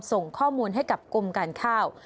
ส่งข้อมูลให้กับกรมการข้าว